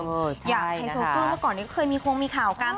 อยากให้โซกล์ว่าก่อนนี้เคยมีโค้งมีข่าวกลาง